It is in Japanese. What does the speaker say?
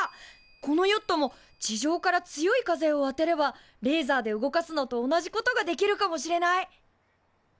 このヨットも地上から強い風を当てればレーザーで動かすのと同じことができるかもしれない。